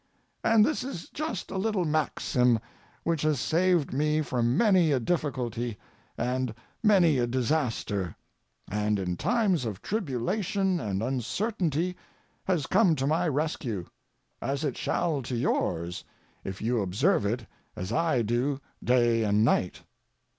And this is just a little maxim which has saved me from many a difficulty and many a disaster, and in times of tribulation and uncertainty has come to my rescue, as it shall to yours if you observe it as I do day and night.